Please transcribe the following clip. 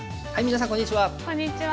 皆さんこんにちは。